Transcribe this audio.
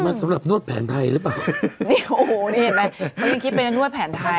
มันสำหรับนวดแผนไทยหรือเปล่าเนี่ยโอ้โหนี่เห็นไหมเขายังคิดไปนะนวดแผนไทย